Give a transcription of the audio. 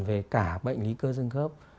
về cả bệnh lý cơ sương gớp